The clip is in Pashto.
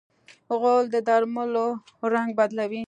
غول د درملو رنګ بدلوي.